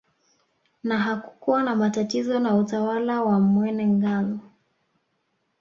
Na hakukuwa na matatizo na utawala wa Mwene Ngalu